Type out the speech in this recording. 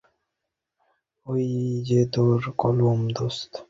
ওই যে তোর কলম, দোস্ত।